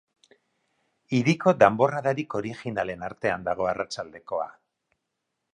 Hiriko danborradarik originalen artean dago arratsaldekoa.